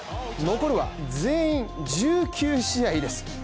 残りは全員１９試合です。